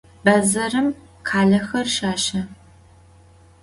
Bedzerım khalexer şaşe.